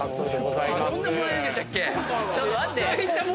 ちょっと待って！